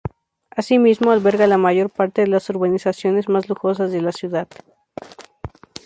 Así mismo, alberga la mayor parte de las urbanizaciones más lujosas de la ciudad.